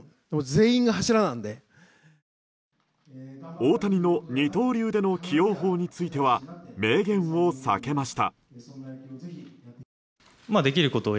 大谷の二刀流での起用法については明言を避けました。